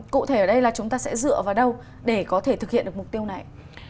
cụ thể ở đây là chúng ta sẽ dựa vào đâu để có thể thực hiện được mục tiêu này